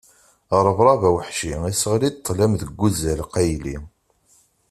Rebrab aweḥci iseɣli-d ṭṭlam deg uzal qqayli.